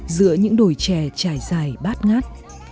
giữa những đồi trè trải dài bát ngát